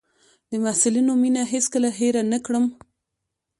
د محصلینو مينه هېڅ کله هېره نه کړم.